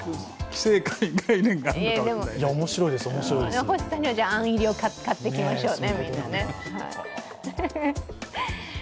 星さんにはあん入りを買ってきましょうね。